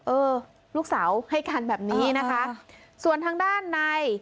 เออลูกสาวให้การแบบนี้นะคะส่วนทางด้านใน